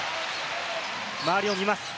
周りを見ます。